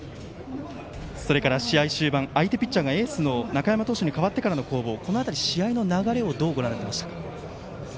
それから試合終盤相手ピッチャーがエースの中山投手に代わってからの攻防試合の流れどうご覧になりましたか？